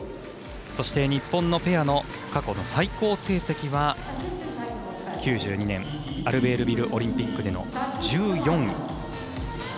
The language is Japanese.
そして、日本のペアの過去の最高成績は、９２年アルベールビルオリンピックでの１４位。